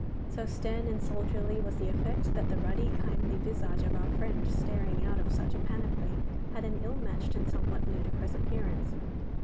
So stern and soldierly was the effect, that the ruddy, kindly visage of our friend staring out of such a panoply had an ill matched and somewhat ludicrous appearance.